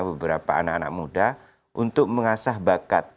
beberapa anak anak muda untuk mengasah bakat